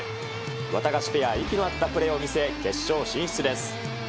ワタガシペア、息の合ったプレーを見せ、決勝進出です。